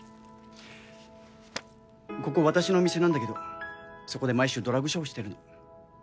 ここ私のお店なんだけどそこで毎週ドラァグショーをしてるの。